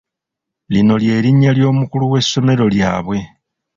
Lino ly’erinnya ly’omukulu w'essomero lyabwe.